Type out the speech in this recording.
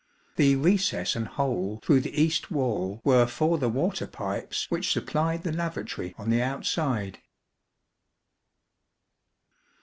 The recess and hole through the east wall were for the water pipes which supplied the lavatory on the outside.